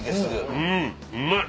うん！